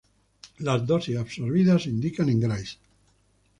Las dosis absorbidas se indican en grays.